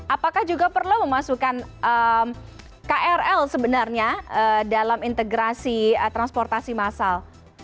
apakah juga perlu memasukkan krl sebenarnya dalam integrasi transportasi massal